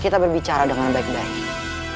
kita berbicara dengan baik baik